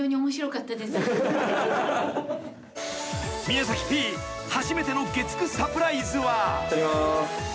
［宮Ｐ初めての月９サプライズは］撮ります。